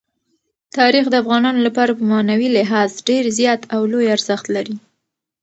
تاریخ د افغانانو لپاره په معنوي لحاظ ډېر زیات او لوی ارزښت لري.